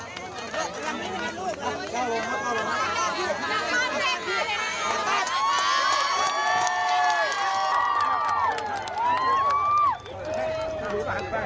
ยอดตัวเลขการบริจาคมันไหลมาเรื่อยเลย